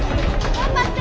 頑張って！